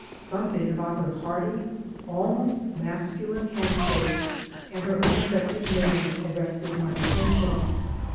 Something about her hearty, almost masculine hand shake and her unaffected manner arrested my attention.